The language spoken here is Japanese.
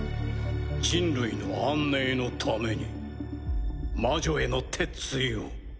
人類の安寧のために魔女への鉄鎚を。